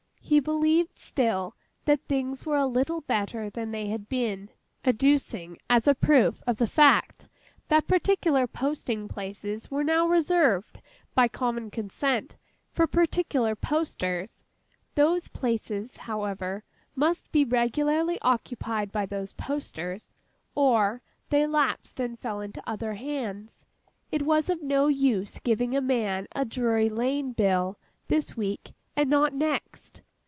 He believed, still, that things were a little better than they had been; adducing, as a proof, the fact that particular posting places were now reserved, by common consent, for particular posters; those places, however, must be regularly occupied by those posters, or, they lapsed and fell into other hands. It was of no use giving a man a Drury Lane bill this week and not next.